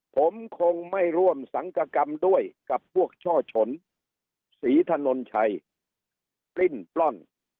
ผมคงไม่ร่วมสังกกรรมด้วยกับพวกช่อฉนศรีถนนชัยปลิ้นปล้น